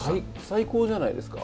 最高じゃないですか。